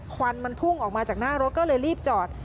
ควันมันพุ่งออกมาจากหน้ารถก็เลยรีบจอด